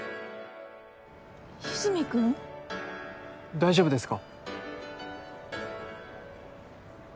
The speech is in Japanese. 大丈夫ですか？